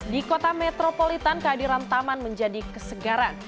di kota metropolitan kehadiran taman menjadi kesegaran